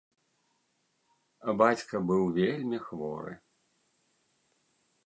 Бацька быў вельмі хворы.